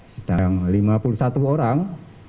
sedang lima puluh satu orang